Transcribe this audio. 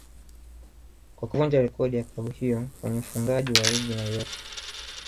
kwa kuvunja rekodi ya club hiyo kwenye ufungaji wa ligi na Uefa